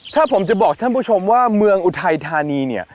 ถ้าผมจะบอกท่านผู้ชมว่าเมืองอุทัยธานีเนี่ย